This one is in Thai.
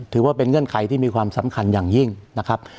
เงื่อนไขที่มีความสำคัญอย่างยิ่งนะครับ